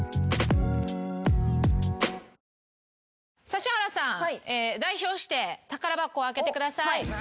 指原さん代表して宝箱を開けてください。